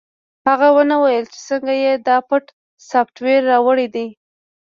هغه ونه ویل چې څنګه یې دا پټ سافټویر راوړی دی